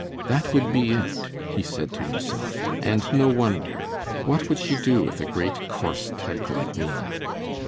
"That would be it," he said to himself, "and no wonder. What would she do with a great, coarse tyke like me!"